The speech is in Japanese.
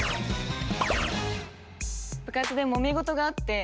部活でもめ事があって。